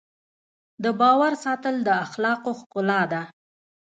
د باور ساتل د اخلاقو ښکلا ده.